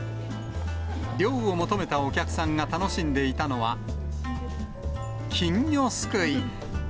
涼を求めたお客さんが楽しんでいたのは、金魚すくい。